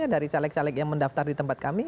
dari caleg caleg yang mendaftar di tempat kami